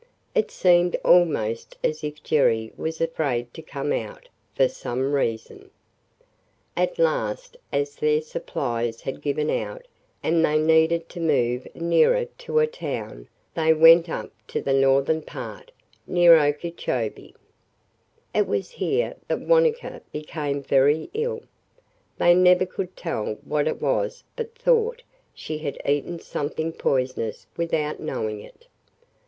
It seemed almost as if Jerry was afraid to come out, for some reason. At last as their supplies had given out and they needed to move nearer to a town, they went up to the northern part near Okeechobee. It was here that Wanetka became very ill. They never could tell what it was but thought she had eaten something poisonous without knowing it.